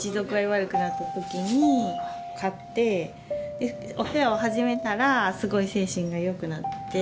悪くなった時に飼ってお世話を始めたらすごい精神がよくなって。